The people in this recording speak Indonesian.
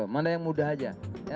mana yang mudah saja